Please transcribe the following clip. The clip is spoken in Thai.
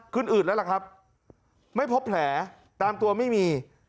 อืดแล้วล่ะครับไม่พบแผลตามตัวไม่มี